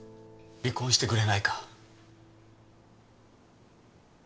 離婚してくれないか？